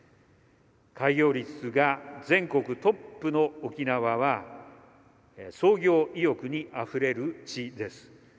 開業率が全国トップの沖縄は創業意欲にあふれる地です。